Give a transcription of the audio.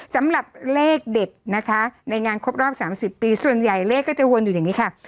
สำหรับเลขเด็ดนะคะในงานครบรอบ๓๐ปีส่วนใหญ่เลขก็จะวนอยู่อย่างนี้ค่ะ